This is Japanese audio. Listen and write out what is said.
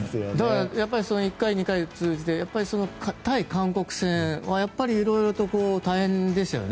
１回、２回を通じて対韓国戦は色々と大変でしたよね。